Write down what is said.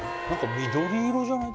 緑色じゃない？